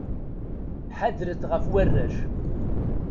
Ḥadret ɣef warrac.